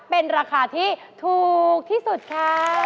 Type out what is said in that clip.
เป็นราคาที่ถูกที่สุดค่ะ